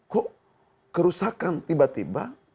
kok kerusakan tiba tiba